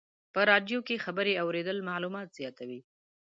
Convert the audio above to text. په رادیو کې خبرې اورېدل معلومات زیاتوي.